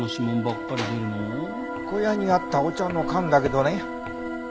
小屋にあったお茶の缶だけどね。